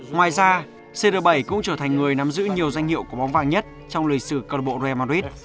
ngoài ra cr bảy cũng trở thành người nắm giữ nhiều danh hiệu của bóng vàng nhất trong lời sử cơ bộ real madrid